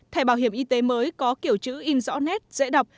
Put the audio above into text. thẻ bảo hiểm y tế mới có kiểu chữ in rõ nét dễ đọc